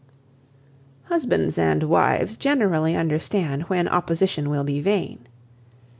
Husbands and wives generally understand when opposition will be vain.